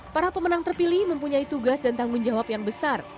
para pemenang terpilih mempunyai tugas dan tanggung jawab yang besar